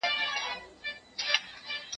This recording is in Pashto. زه اوس د سبا لپاره د سوالونو جواب ورکوم؟!